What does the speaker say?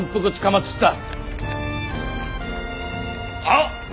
あっ！